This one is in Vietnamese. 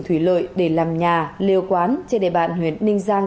thủy lợi để làm nhà liều quán trên đề bản huyện ninh giang